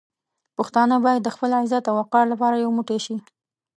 پښتانه باید د خپل عزت او وقار لپاره یو موټی شي.